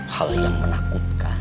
hal yang menakutkan